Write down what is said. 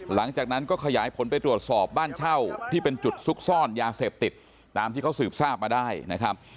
หลังจากนั้นก็ขยายผลไปตรวจสอบบ้านเช่าที่เป็นจุดซุกซ่อนยาเสพติดตามที่เขาสืบทราบมาได้นะครับ